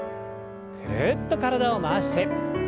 ぐるっと体を回して。